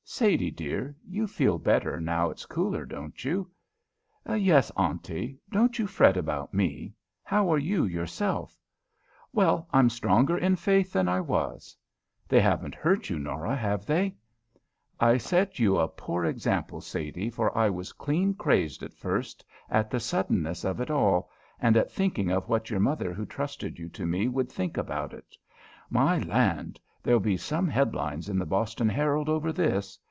Sadie, dear, you feel better now its cooler, don't you?" "Yes, Auntie; don't you fret about me. How are you yourself?" "Well, I'm stronger in faith than I was. "They haven't hurt you, Norah, have they?" "I set you a poor example, Sadie, for I was clean crazed at first at the suddenness of it all, and at thinking of what your mother, who trusted you to me, would think about it. My land, there'll be some headlines in the Boston Herald over this!